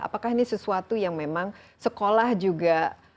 apakah ini sesuatu yang memang sekolah juga